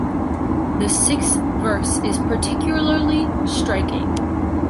The sixth verse is particularly striking.